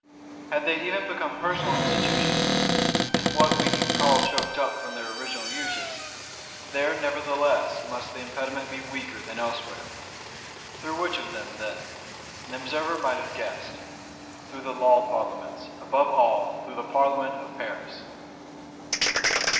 Had they even become personal Institutions, and what we can call choked up from their original uses, there nevertheless must the impediment be weaker than elsewhere. Through which of them then? An observer might have guessed: Through the Law Parlements; above all, through the Parlement of Paris.